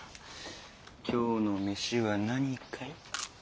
今日の飯は何かい？